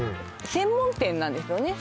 専門店なんですよね